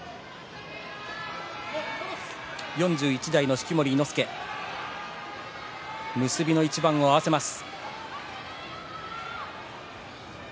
４１代式守伊之助結びの一番を合わせます。